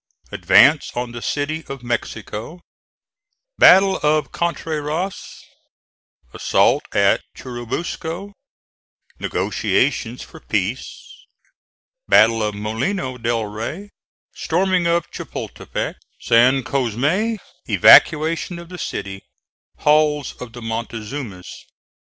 ADVANCE ON THE CITY OF MEXICO BATTLE OF CONTRERAS ASSAULT AT CHURUBUSCO NEGOTIATIONS FOR PEACE BATTLE OF MOLINO DEL REY STORMING OF CHAPULTEPEC SAN COSME EVACUATION OF THE CITY HALLS OF THE MONTEZUMAS.